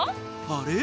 あれ？